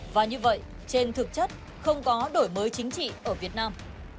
và như vậy trên thực chất không có đổi mới chính trị ở việt nam